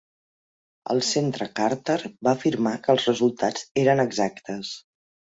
El Centre Carter va afirmar que els resultats eren exactes.